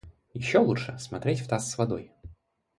Еще лучше смотреть в таз с водой.